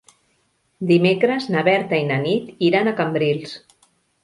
Dimecres na Berta i na Nit iran a Cambrils.